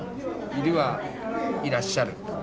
「いる」は「いらっしゃる」。